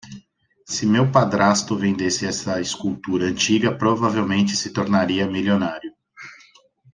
Se meu padrasto vendesse essa escultura antiga, provavelmente se tornaria milionário.